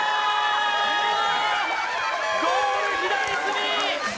ゴール左隅！